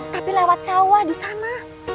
tapi lewat sawah disana